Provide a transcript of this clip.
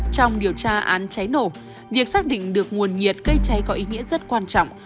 trong điều tra án cháy nổ việc xác định được nguồn nhiệt gây cháy có ý nghĩa rất quan trọng